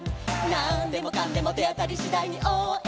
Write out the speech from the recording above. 「なんでもかんでもてあたりしだいにおうえんだ！！」